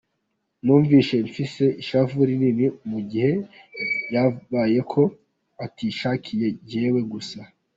Numvise mfise ishavu rinini mu gihe ivyambayeko bitashikiye jewe gusa.